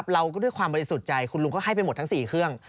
เราด้วยความบริสุทธิ์ใจคุณลุงก็ให้ไปหมดทั้ง๔เครื่อง